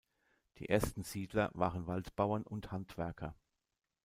Die ersten Siedler waren Waldbauern und Handwerker.